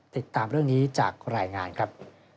ติดตามเรื่องนี้จากรายงานครับ